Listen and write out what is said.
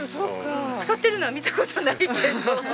使ってるのは見た事ないけど。